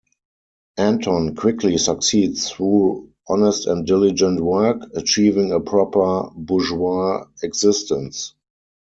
Anton quickly succeeds through honest and diligent work, achieving a proper bourgeois existence.